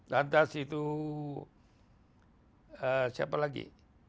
lantas itu siapa lagi